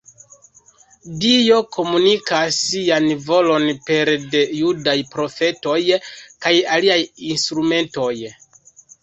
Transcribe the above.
Dio komunikas sian volon pere de judaj profetoj kaj aliaj instrumentoj.